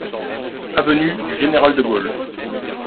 Avenue du Général de Gaulle.